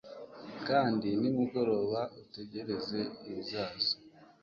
Kandi nimugoroba utegereze ibizaza.